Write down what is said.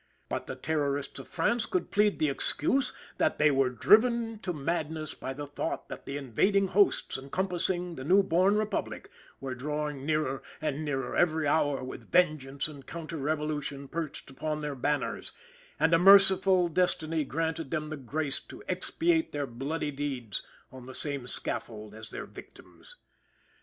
But the Terrorists of France could plead the excuse, that they were driven to madness by the thought, that the invading hosts, encompassing the new born Republic, were drawing nearer and nearer, every hour, with vengeance and counter revolution perched upon their banners; and a merciful destiny granted them the grace to expiate their bloody deeds on the same scaffold as their victims.